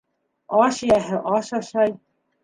Аш эйәһе аш ашай